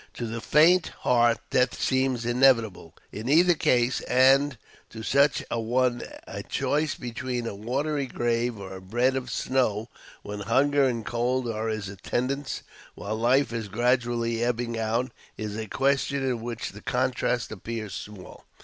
To the faint heart, death seems inevitable in either case; and, to such a one, a choice between a watery grave or a bed of snow, when hunger and cold are his attendants while life is gradually ebbing out, is a question in which the contrast appears small.